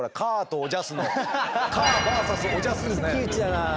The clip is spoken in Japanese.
一騎打ちだな。